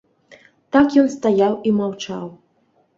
Так ён стаяў і маўчаў.